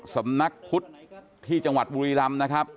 สำนักพุทธที่จังหวัดบุรีรำนะครับ